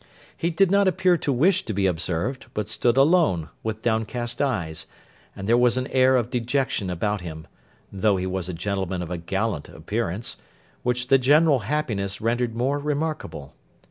He did not appear to wish to be observed, but stood alone, with downcast eyes; and there was an air of dejection about him (though he was a gentleman of a gallant appearance) which the general happiness rendered more remarkable.